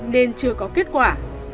nên chưa có kết quả